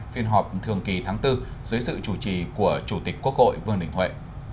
phiên họp thường kỳ tháng bốn dưới sự chủ trì của chủ tịch quốc hội vương đình huệ